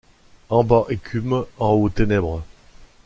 En bas écume, en haut ténèbres.